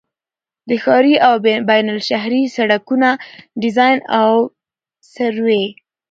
د ښاري او بینالشهري سړکونو ډيزاين او سروې